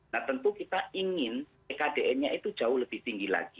nah tentu kita ingin tkdn nya itu jauh lebih tinggi lagi